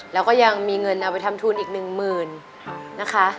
แล้วก็ยังมีเงินเอาไปทำทุนอีกหนึ่งหมื่นนะคะ